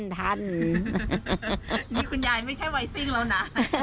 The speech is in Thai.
นี่คุณยายไม่ใช่ไวซิ่งแล้วนะ